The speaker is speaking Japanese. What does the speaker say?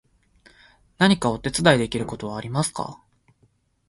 何かお手伝いできることはありますか？